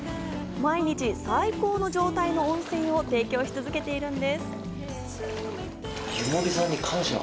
毎日最高の状態の温泉を提供し続けているんです。